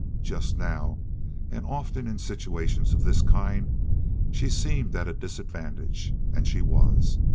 Just now, and often in situations of this kind, she seemed at a disadvantage, and she was.